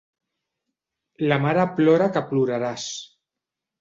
La mare plora que ploraràs.